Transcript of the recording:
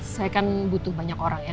saya kan butuh banyak orang ya